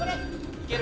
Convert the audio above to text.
いける！